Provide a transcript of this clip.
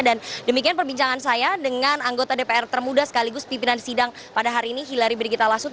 dan demikian perbincangan saya dengan anggota dpr termuda sekaligus pimpinan sidang pada hari ini hilary brigitalasut